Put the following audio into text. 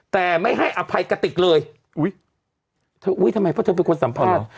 แต่ไม่ให้อภัยกติกเลยอุ้ยเธออุ้ยทำไมเพราะเธอเป็นคนสัมภาษณ์